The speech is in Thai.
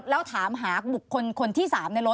ลักษณะเป็นอย่างนี้